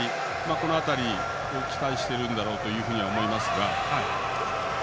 この辺りを期待しているんだろうと思いますが。